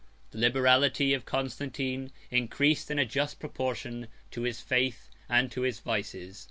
103 The liberality of Constantine increased in a just proportion to his faith, and to his vices.